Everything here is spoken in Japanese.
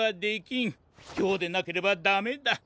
きょうでなければダメだ。